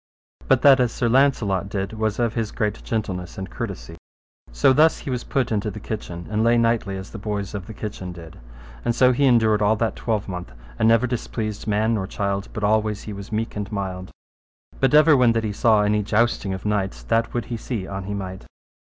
But that as Sir Launcelot did was of his great gentleness and courtesy. So thus he was put into the kitchen, and lay nightly as the boys of the kitchen did. And so he endured all that twelvemonth, and never displeased man nor child, but always he was meek and mild. But ever when that he saw any jousting of knights, that would he see an he might.